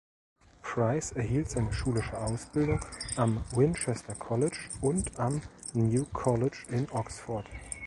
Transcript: Price erhielt seine schulische Ausbildung am Winchester College und am New College in Oxford.